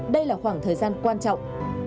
đây là khoảng thời gian quan trọng